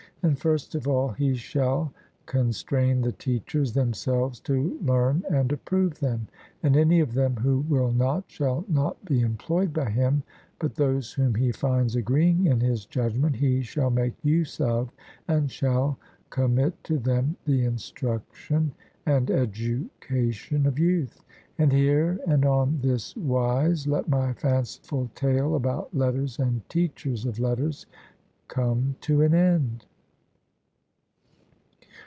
And, first of all, he shall constrain the teachers themselves to learn and approve them, and any of them who will not, shall not be employed by him, but those whom he finds agreeing in his judgment, he shall make use of and shall commit to them the instruction and education of youth. And here and on this wise let my fanciful tale about letters and teachers of letters come to an end.